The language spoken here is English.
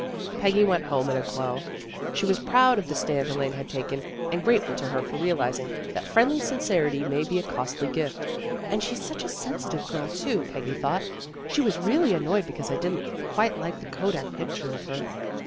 Peggy went home in a glow. She was proud of the stand Elaine had taken, and grateful to her for realizing that friendly sincerity may be a costly gift. " And she's such a sensitive girl, too," Peggy thought. " She was really annoyed because I didn't quite like the kodak picture of her."